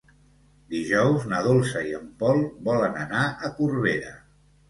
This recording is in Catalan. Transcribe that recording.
Dijous na Dolça i en Pol volen anar a Corbera.